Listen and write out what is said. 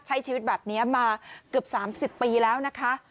ใช้ชีวิตแบบนี้มาเกือบ๓๐ปีแล้วนะคะ